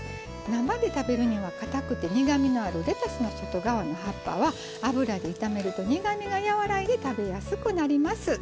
生で食べるにはかたくて苦みのあるレタスの外側の葉っぱは油で炒めると苦みがやわらいで食べやすくなります。